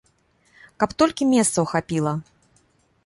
Каб толькі месцаў хапіла!